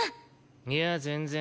いや全然。